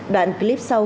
đoạn clip sau